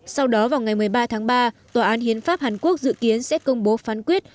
sau đó vào ngày một mươi ba tháng ba tòa án hiến pháp hàn quốc dự kiến sẽ công bố phán quyết